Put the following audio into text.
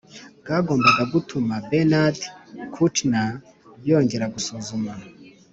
bwagombaga gutuma bernard kouchner yongera gusuzuma